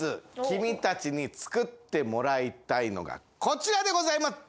君たちに作ってもらいたいのがこちらでございます！